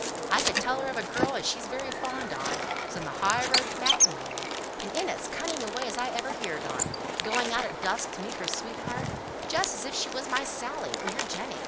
"I could tell her of a girl as she's very fond on, who's on the high road to matrimony; and in as cunning a way as ever I heerd on; going out at dusk to meet her sweetheart, just as if she was my Sally, or your Jenny.